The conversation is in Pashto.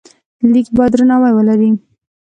لیک باید درناوی ولري.